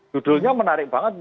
judulnya menarik banget